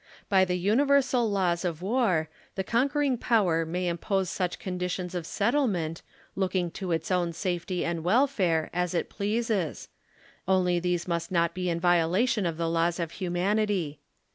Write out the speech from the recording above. By the universal laws of war, the conquering power may impose such conditions of settle ment, looking to its own safety and welfare, as it pleases; only these must not be in violation of the laws of humanity.